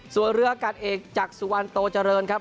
ส่วนเรืออากาศเอกจากสุวรรณโตเจริญครับ